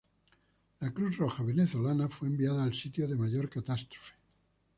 La Cruz Roja Venezolana fue enviada al sitio de mayor catástrofe.